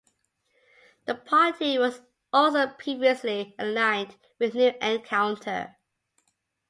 The party was also previously aligned with New Encounter.